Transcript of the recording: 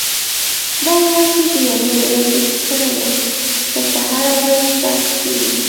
دا یوازې د یوې ورځې کیسه نه ده، دلته هره ورځ داسې کېږي.